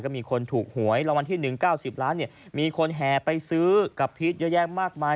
ก็มีคนถูกหวยรางวัลที่๑๙๐ล้านมีคนแห่ไปซื้อกับพีชเยอะแยะมากมาย